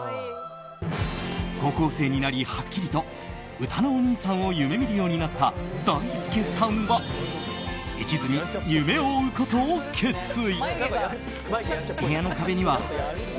高校生になり、はっきりとうたのおにいさんを夢見るようになっただいすけさんは一途に夢を追うことを決意。